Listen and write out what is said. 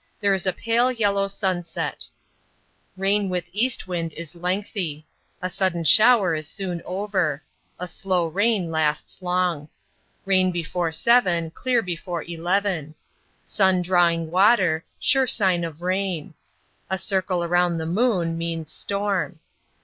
There is a pale yellow sunset. Rain with East wind is lengthy. A sudden shower is soon over. A slow rain lasts long. Rain before seven, clear before eleven. Sun drawing water, sure sign of rain. A circle round the moon means "storm."